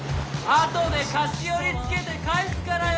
あとで菓子折つけて返すからよ！